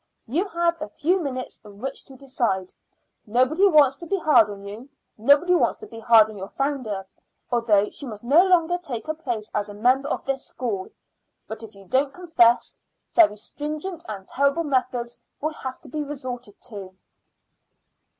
You have a few minutes in which to decide. Nobody wants to be hard on you; nobody wants to be hard on your founder, although she must no longer take her place as a member of this school; but if you don't confess, very stringent and terrible methods will have to be resorted to."